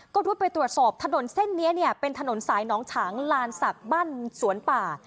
ก็รุดไปตรวจสอบถนนเส้นนี้เนี่ยเป็นถนนสายน้องฉางลานศักดิ์บ้านสวนป่า